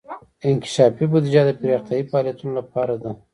انکشافي بودیجه د پراختیايي فعالیتونو لپاره ده.